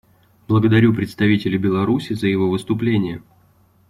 Благодарю представителя Беларуси за его выступление.